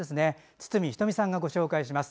堤人美さんがご紹介します。